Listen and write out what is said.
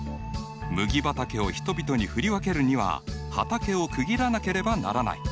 麦畑を人々に振り分けるには畑を区切らなければならない。